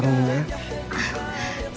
pantes rame warungnya